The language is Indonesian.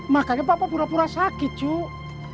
makanya papa pura pura sakit cuk